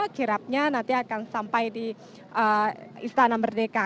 kirapnya nanti akan sampai di istana merdeka